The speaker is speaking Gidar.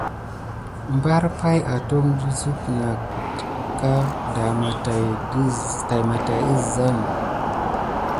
Mbar pay atondi de suk nà ka dema tät didaza.